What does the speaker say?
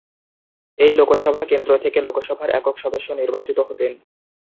এই লোকসভা কেন্দ্র থেকে লোকসভার একক সদস্য নির্বাচিত হতেন।